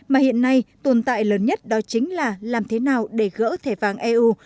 mà hiện nay tồn tại lớn nhất đó chính là làm thế nào để gỡ thẻ vàng eu